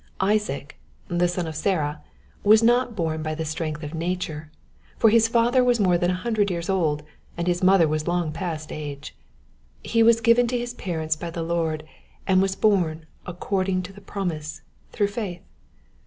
Isaac, the son of Sarah, was not born by the strength of nature ; for his father was more than a hundred years old, and his mother was long past age. He was given to his parents by the Lord, and was born according to the promise through faith.